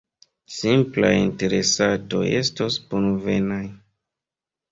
Simplaj interesatoj estos bonvenaj.